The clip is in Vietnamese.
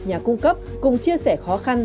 nhà cung cấp cùng chia sẻ khó khăn